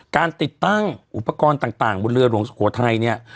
การติดตั้งอุปกรณ์ต่างบนเรือหลวงสุโขทัยเนี่ย